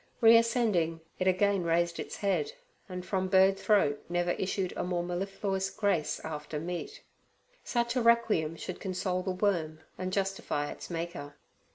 Reascending, it again raised its head, and from bird throat never issued a more mellifluous grace after meat. Such a requiem should console the worm and justify its Maker.